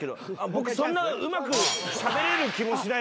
僕そんなうまくしゃべれる気もしない。